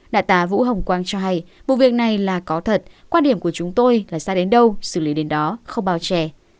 đại tá vũ hồng quang cho hay vụ việc này là có thật quan điểm của chúng tôi là sai đến đâu xử lý đến đó không bao che